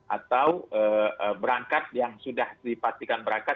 atau berangkat yang sudah dipastikan berangkat